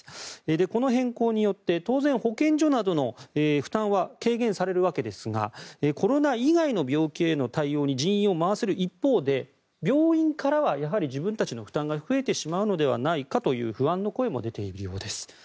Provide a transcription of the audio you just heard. この変更によって当然、保健所などの負担は軽減されるわけですがコロナ以外の病気への対応に人員を回せる一方で病院からは、やはり自分たちの負担は増えてしまうのではないかという不安の声も出ているようです。